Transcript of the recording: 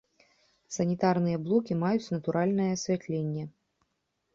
Санітарныя блокі маюць натуральнае асвятленне.